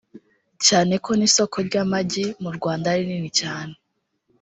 cyane ko n’isoko ry’amagi mu Rwanda ari rinini cyane